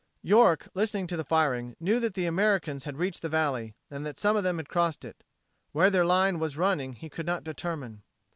York listened to the firing, and knew the Americans had reached the valley and that some of them had crossed it. Where their line was running he could not determine.